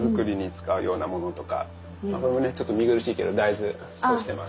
あこれもねちょっと見苦しいけど大豆干してます。